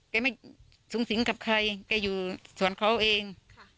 แกไม่สูงสิงกับใครแกอยู่ส่วนเขาเอง